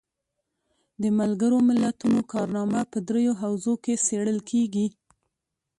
د ملګرو ملتونو کارنامه په دریو حوزو کې څیړل کیږي.